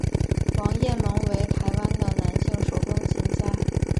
王雁盟为台湾的男性手风琴家。